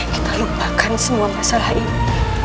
kita lupakan semua masalah ini